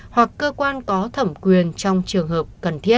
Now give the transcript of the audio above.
hoặc cơ quan có thẩm quyền trong trường hợp cần thiết